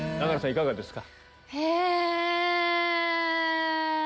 いかがですか？